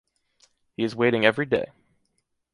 He is waiting every day.